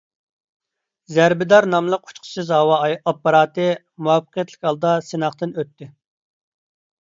«زەربىدار» ناملىق ئۇچقۇچىسىز ھاۋا ئاپپاراتى مۇۋەپپەقىيەتلىك ھالدا سىناقتىن ئۆتتى.